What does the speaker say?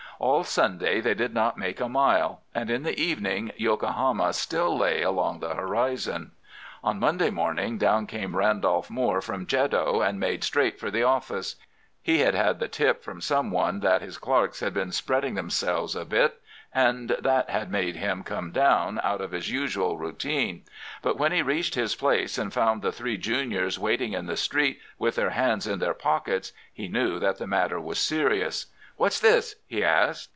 All Sunday they did not make a mile, and in the evening Yokohama still lay along the horizon. "On Monday morning down came Randolph Moore from Jeddo, and made straight for the offices. He had had the tip from some one that his clerks had been spreading themselves a bit, and that had made him come down out of his usual routine; but when he reached his place and found the three juniors waiting in the street with their hands in their pockets he knew that the matter was serious. "'What's this?' he asked.